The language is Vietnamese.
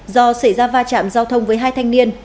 do xảy ra va chạm giao thông với hai thanh niên